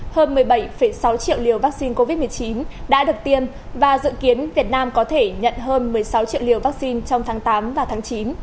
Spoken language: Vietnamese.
hơn một mươi bảy sáu triệu liều vaccine covid một mươi chín đã được tiêm và dự kiến việt nam có thể nhận hơn một mươi sáu triệu liều vaccine trong tháng tám và tháng chín